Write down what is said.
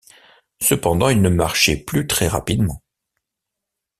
Cependant ils ne marchaient plus très rapidement.